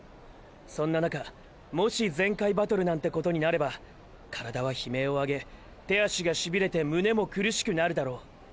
そんな中もし全開バトルなんてことになれば体は悲鳴を上げ手足がしびれて胸も苦しくなるだろう。